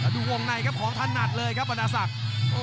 ดูวงในครับของทันหนักเลยครับประดาษศักดิ์